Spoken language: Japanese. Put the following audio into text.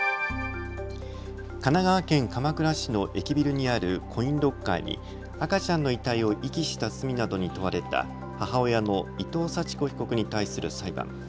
神奈川県鎌倉市の駅ビルにあるコインロッカーに赤ちゃんの遺体を遺棄した罪などに問われた母親の伊藤祥子被告に対する裁判。